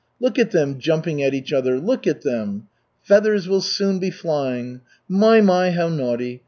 Look at them jumping at each other, look at them! Feathers will soon be flying. My, my, how naughty!